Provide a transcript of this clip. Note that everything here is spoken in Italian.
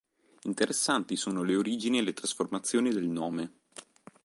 Interessanti sono le origini e le trasformazioni del nome.